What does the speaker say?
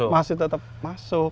masih tetap masuk